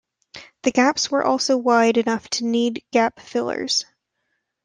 The gaps were almost wide enough to need gap fillers.